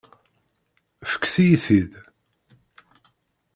Fket-iyi-t-id.